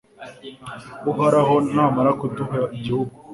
uhoraho namara kuduha igihugu